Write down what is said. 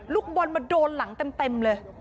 ลูกบอลมาโดนหลังเต็มเลย